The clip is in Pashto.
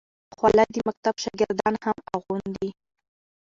خولۍ د مکتب شاګردان هم اغوندي.